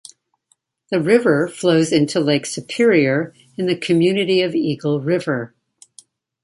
The river flows into Lake Superior in the community of Eagle River.